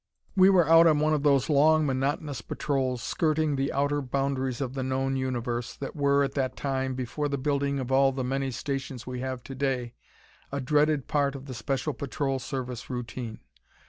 We were out on one of those long, monotonous patrols, skirting the outer boundaries of the known universe, that were, at that time, before the building of all the many stations we have to day a dreaded part of the Special Patrol Service routine.